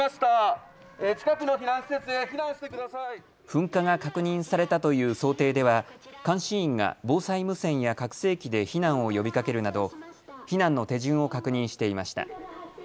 噴火が確認されたという想定では監視員が防災無線や拡声機で避難を呼びかけるなど避難の手順を確認していました。